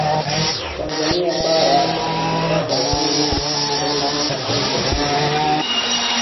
Tanzania bara ilipata uhuru tarehe tisa mwezi wa kumi na mbili